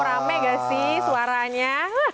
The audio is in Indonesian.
rame gak sih suaranya